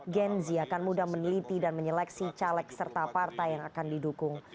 gen z akan mudah meneliti dan menyeleksi caleg serta partai yang akan didukung